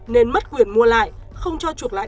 nên mất quyền mua lại không cho chuộc lại